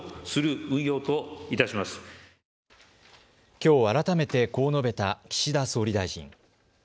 きょう改めてこう述べた岸田総理大臣。